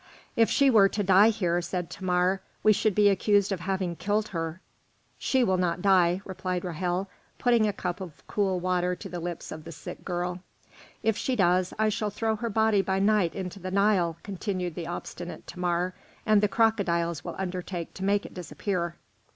"If she were to die here," said Thamar, "we should be accused of having killed her." "She will not die," replied Ra'hel, putting a cup of cool water to the lips of the sick girl. "If she does, I shall throw her body by night into the Nile," continued the obstinate Thamar, "and the crocodiles will undertake to make it disappear."